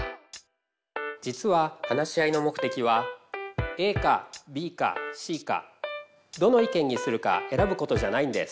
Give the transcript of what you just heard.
実は話し合いの目的はＡかＢかＣかどの意見にするか選ぶことじゃないんです。